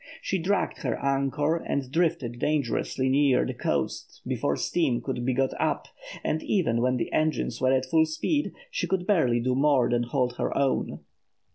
She dragged her anchor and drifted dangerously near the coast before steam could be got up, and even when the engines were at full speed, she could barely do more than hold her own.